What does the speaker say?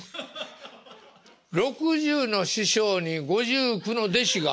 ５９６０の師匠に５９の弟子が。